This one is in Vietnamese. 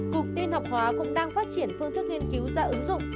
cục tiên học hóa cũng đang phát triển phương thức nghiên cứu ra ứng dụng